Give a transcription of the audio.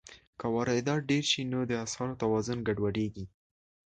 که واردات ډېر شي، نو د اسعارو توازن ګډوډېږي.